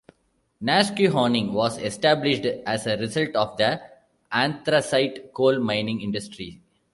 Nesquehoning was established as a result of the anthracite coal mining industry.